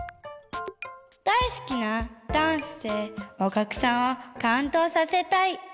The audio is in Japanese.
だいすきなダンスでおきゃくさんをかんどうさせたい！